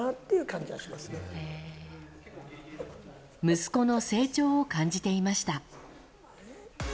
息子の成長を感じていました。